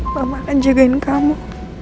mama akan jagain kamu